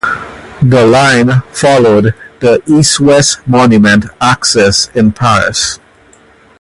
The line followed the east-west monument axis in Paris.